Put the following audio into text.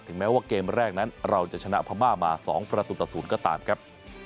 แม้ว่าเกมแรกนั้นเราจะชนะพม่ามา๒ประตูต่อ๐ก็ตามครับ